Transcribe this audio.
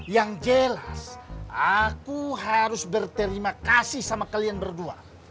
yang jelas aku harus berterima kasih sama kalian berdua